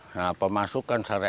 nah pemasukan syariat